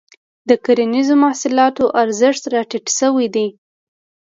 د کرنیزو محصولاتو ارزښت راټيټ شوی دی.